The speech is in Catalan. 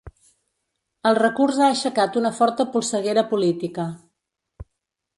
El recurs ha aixecat una forta polseguera política.